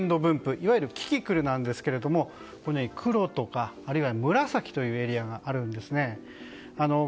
いわゆるキキクルなんですけども黒とか、あるいは紫というエリアがあるんですね。